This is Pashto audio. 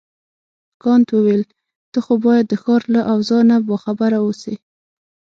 کانت وویل ته خو باید د ښار له اوضاع نه باخبره اوسې.